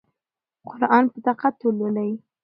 قرآن په دقت ولولئ.